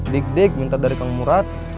dik dik minta dari kang murad